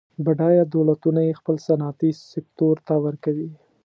بډایه دولتونه یې خپل صنعتي سکتور ته ورکوي.